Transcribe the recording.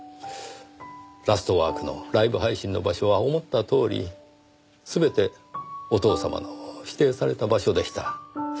『ラストワーク』のライブ配信の場所は思ったとおり全てお父様の指定された場所でした。